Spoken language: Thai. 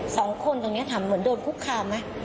สองคนตรงนี้ถามเหมือนโดนคุกคามไหม